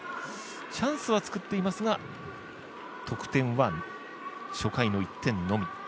チャンスは作っていますが得点は初回の１点のみ。